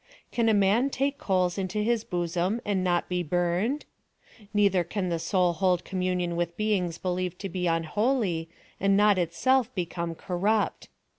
" Can a man take coals into his bosom and not be burn ed ?"— neither can the soul hold communion with beings believed to be unholy and not itself become corrupt.